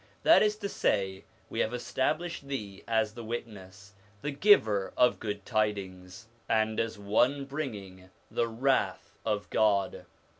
That is to say, We have established thee as the witness, the giver of good tidings, and as one bringing the wrath of God.